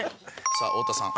さあ太田さん。